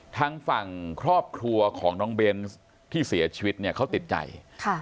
ทางฝั่งครอบครัวของน้องเบนส์ที่เสียชีวิตเนี่ยเขาติดใจค่ะ